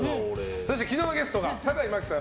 昨日のゲストが坂井真紀さん